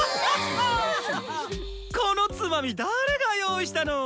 このツマミ誰が用意したの？